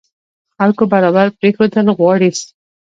خلکو برابر پرېښودل غواړي.